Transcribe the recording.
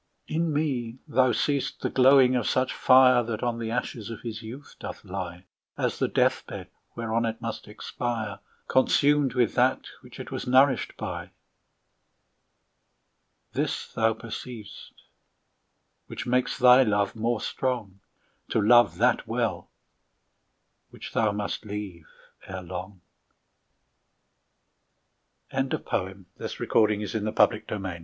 In me thou seest the glowing of such fire, That on the ashes of his youth doth lie, As the death bed, whereon it must expire, Consumed with that which it was nourished by. This thou perceiv'st, which makes thy love more strong, To love that well, which thou must leave ere long. 74 But be contented when that fell arrest, Without al